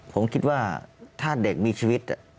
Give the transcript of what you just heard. ผมคิดว่าถ้าเด็กมีชีวิต